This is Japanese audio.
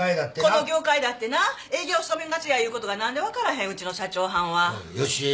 「この業界だってな営業したもん勝ちやいうことが何で分からへんうちの社長はんは」おい良恵。